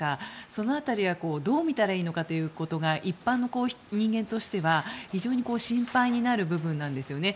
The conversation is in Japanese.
その辺りはどう見たらいいのかということが一般の人間としては非常に心配になる部分なんですよね。